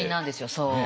そう。